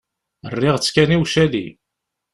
Rriɣ-tt kan i ucali.